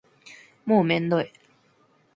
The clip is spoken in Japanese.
もうめんどい